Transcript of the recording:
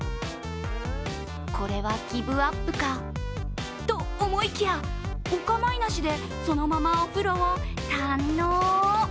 これはギブアップかと思いきや、おかまいなしで、そのままお風呂を堪能。